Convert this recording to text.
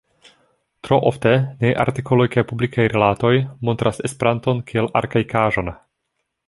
Tro ofte, niaj artikoloj kaj publikaj rilatoj montras Esperanton kiel arkaikaĵon.